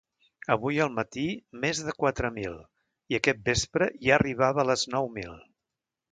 Avui al matí, més de quatre mil i aquest vespre ja arribava a les nou mil.